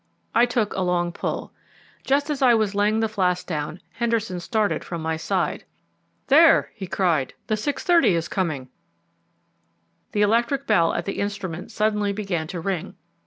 I took a long pull. Just as I was laying the flask down Henderson started from my side. "There," he cried, "the 6.30 is coming." The electric bell at the instrument suddenly began to ring.